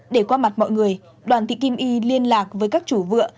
để qua mặt mọi người đoàn thị kim y liên lạc với các chủ vựa